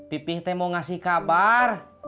pipih mau kasih kabar